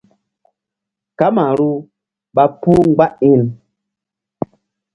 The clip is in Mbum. Kamaru ɓa puh mgba iŋ.